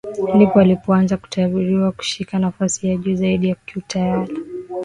Ndipo alipoanzwa kutabiriwa kushika nafasi ya juu zaidi ya kiutawala